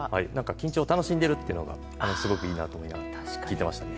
緊張を楽しんでいるというのがすごくいいなと思いました。